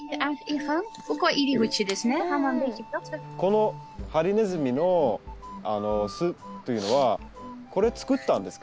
このハリネズミの巣っていうのはこれ作ったんですか？